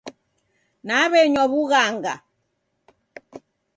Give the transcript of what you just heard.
Naw'enywa w'ughanga.